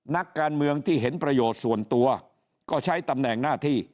นักการเมืองที่เห็นประโยชน์ส่วนตัวก็ใช้ตำแหน่งหน้าที่